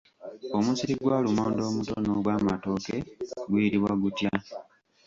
Omusiri gwa lumonde omuto n'ogw'amatooke guyitibwa gutya?